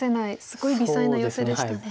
すごい微細なヨセでしたね。